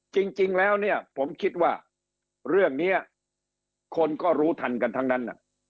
จริงแล้วเนี่ยผมคิดว่าเรื่องนี้คนก็รู้ทันกันทั้งนั้น